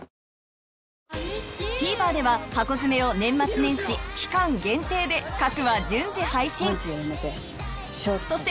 ＴＶｅｒでは『ハコヅメ』を年末年始期間限定で各話順次配信そして